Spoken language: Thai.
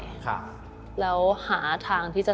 อเรนนี่แล้วอเรนนี่แล้วอเรนนี่แล้ว